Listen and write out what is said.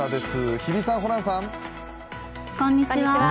日比さん、ホランさん。